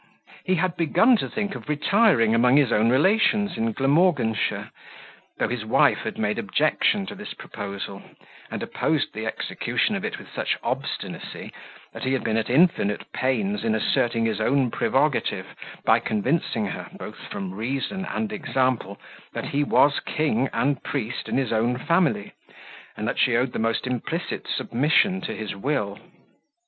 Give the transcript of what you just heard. He had begun to think of retiring among his own relations in Glamorganshire, though his wife had made objection to this proposal, and opposed the execution of it with such obstinacy, that he had been at infinite pains in asserting his own prerogative by convincing her, both from reason and example, that he was king, and priest in his own family, and that she owed the most implicit submission to his will.